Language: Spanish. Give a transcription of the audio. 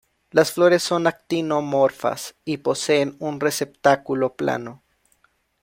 Las flores son actinomorfas y poseen un receptáculo plano.